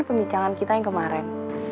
pembicaraan kita yang kemarin